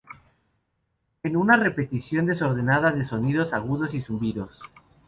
Es una repetición desordenada de sonidos agudos y zumbidos.